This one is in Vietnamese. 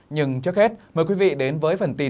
nhưng trước hết mời quý vị đến với bài bản